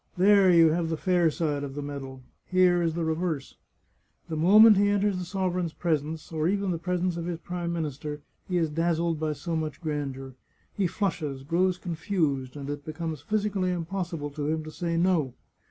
There you have the fair side of the medal ; here is the reverse : The moment he enters the sovereign's presence, or even the presence of his Prime Minister, he is dazzled by so much grandeur, he flushes, grows confused, and it be comes physically impossible to him to say * No.'